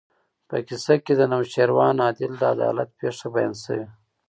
په کیسه کې د نوشیروان عادل د عدالت پېښه بیان شوې.